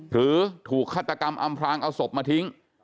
หรือถูกฆาตกรรมอำพลางเอาศพมาทิ้ง